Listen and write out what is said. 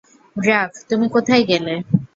ড্রাক, তুমি কোথায় গেলে?